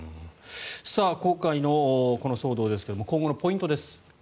今回の騒動ですが今後のポイントです。